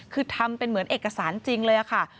คือทำเป็นเหมือนเอกสารจริงเลยค่ะ